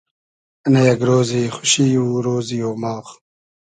نۂ یئگ رۉزی خوشی و رۉزی اۉماغ